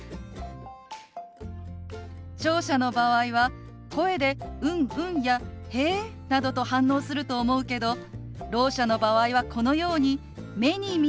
聴者の場合は声で「うんうん」や「へえ」などと反応すると思うけどろう者の場合はこのように目に見える意思表示をすることが大切なのよ。